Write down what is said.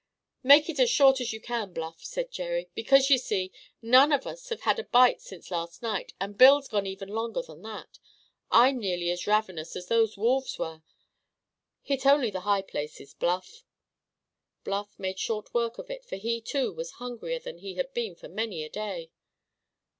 "Make it as short as you can, Bluff," said Jerry; "because, you see, none of us have had a bite since last night, and Bill's gone even longer than that. I'm nearly as ravenous as those wolves were. Hit only the high places, Bluff." Bluff made short work of it, for he, too, was hungrier than he had been for many a day.